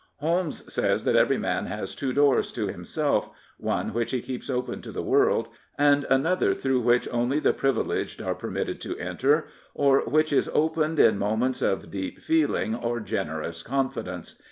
Holmes says that every man has two doors to himself, one which he keeps open to the world, and 2^nother through which only the privileged are per mitted to enter, or which is opened in moments of 252 Herbert Samuel deep feeling or generous confidence.